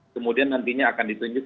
kemudian nantinya akan ditunjuk